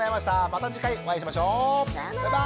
また次回お会いしましょう！さようなら！